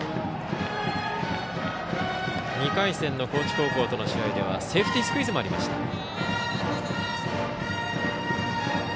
２回戦の高知高校との試合ではセーフティースクイズもありました。